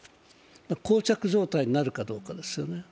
こう着状態になるかどうかですね。